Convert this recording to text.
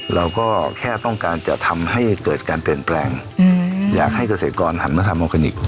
เราก็แค่ต้องการจะทำให้เกิดการเปลี่ยนแปลงอยากให้เกษตรกรหันมาทำออร์แกนิค